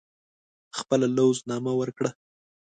خپله لوز نامه ورکړه.